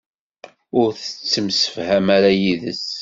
Ur tettemsefham ara yid-s?